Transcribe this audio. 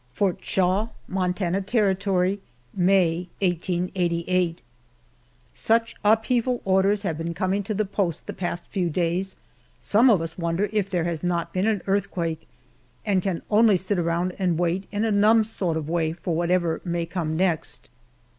FORT SHAW, MONTANA TERRITORY, May, 1888. SUCH upheaval orders have been coming to the post the past few days, some of us wonder if there has not been an earthquake, and can only sit around and wait in a numb sort of way for whatever may come next.